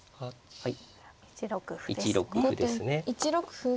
はい。